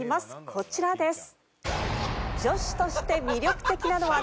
こちらです。